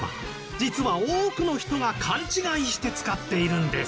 実は多くの人が勘違いして使っているんです